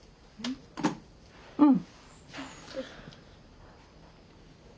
うん。